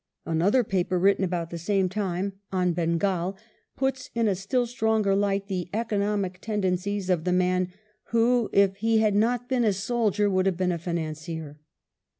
Another paper, written about the same time, "On Bengal," puts in a still stronger light the economic tendencies of the man who, if he had not been a soldier, would have been a financier.